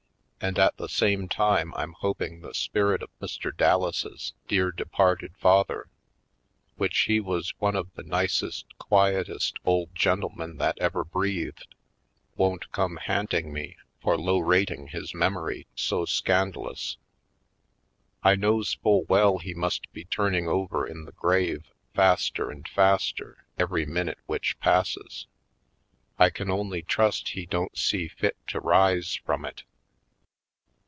And at the same time I'm hoping the spirit of Mr. Dallases' dear departed father, which he was one of the nicest, quietest old gentle men that ever breathed, won't come ha'nt ing me for low rating his memory so scan dalous. I knows full well he must be turn ing over in the grave faster and faster every minute which passes. I only can trust he don't see fit to rise from it.